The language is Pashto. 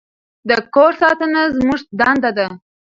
د کور ساتنه زموږ دنده ده.